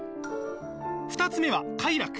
２つ目は快楽。